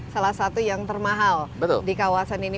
salah satu yang termahal di kawasan ini